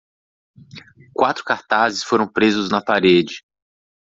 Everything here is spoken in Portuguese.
Quatro cartazes foram presos na parede